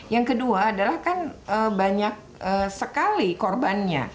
yang kedua adalah kan banyak sekali korbannya